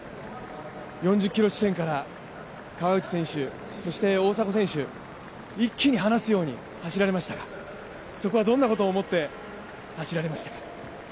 ４０ｋｍ地点から川内選手、そして大迫選手、一気に離すように走られましたが、そこはどんなことを思って走られましたか？